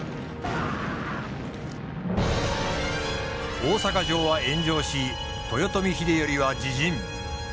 大坂城は炎上し豊臣秀頼は自刃。